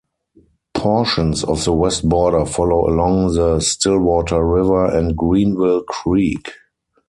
Portions of the west border follow along the Stillwater River and Greenville Creek.